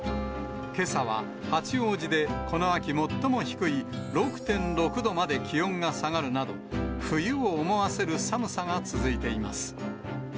けさは八王子でこの秋最も低い６．６度まで気温が下がるなど、冬を思わせる寒さが続いています。